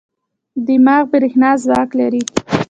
دماغ برېښنا ځواک لري.